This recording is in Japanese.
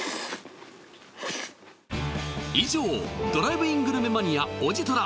以上ドライブイングルメマニアおじとら